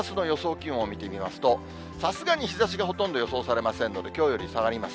気温を見てみますと、さすがに日ざしがほとんど予想されませんので、きょうより下がります。